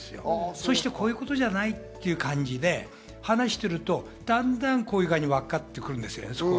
そして、こういうことじゃないっていう感じで話してると、だんだん分かってくるんですよね。